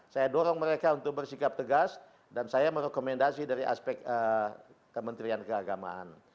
saya dorong mereka untuk bersikap tegas dan saya merekomendasi dari aspek kementerian keagamaan